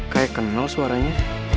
kayak kenal suaranya